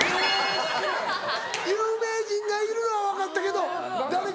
有名人がいるのは分かったけど誰か。